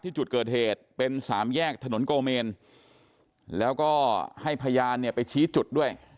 ที่จุดเกิดเหตุเป็น๓แยกถนนโกเมนแล้วก็ให้พญานไปชี้จุดด้วย